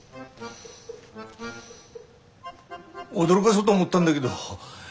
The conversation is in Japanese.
驚がそうと思ったんだげど。